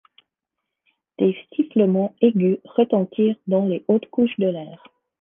Des sifflements aigus retentirent dans les hautes couches de l’air.